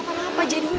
mendingan om sabar dulu